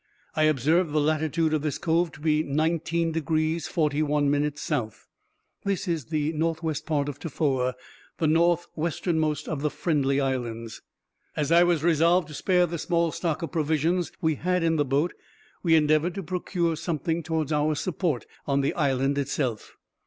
I observed the latitude of this cove to be 19 degrees 41 minutes south. This is the northwest part of Tofoa, the north westernmost of the Friendly Islands. As I was resolved to spare the small stock of provisions we had in the boat, we endeavored to procure something towards our support on the island itself.